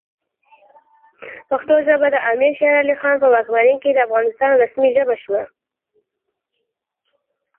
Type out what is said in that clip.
پښتو ژبه د امیر شیرعلی خان په واکمنۍ کې د افغانستان رسمي ژبه شوه.